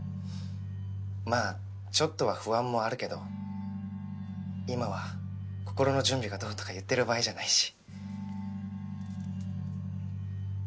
まぁちょっとは不安もあるけど今は心の準備がどうとか言ってる場合じゃないし。